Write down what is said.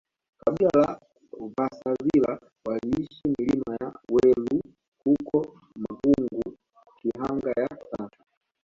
kabila la vasavila waliishi milima ya welu huko Makungu Kihanga ya sasa